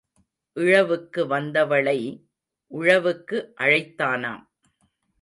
இழவுக்கு வந்தவளை உழவுக்கு அழைத்தானாம்.